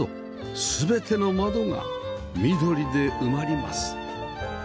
全ての窓が緑で埋まります